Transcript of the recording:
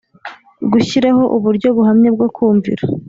Gushyiraho uburyo buhamye bwo kumvira